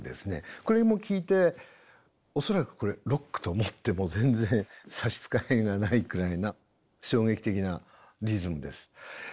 これも聴いて恐らくこれロックと思っても全然差し支えがないくらいな衝撃的なリズムです。